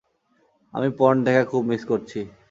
আমি পর্ণ দেখা খুব মিস করছি।